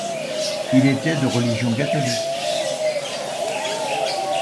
Il était de religion catholique.